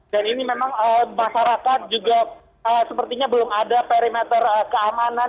dan ini memang masyarakat juga sepertinya belum ada perimeter keamanan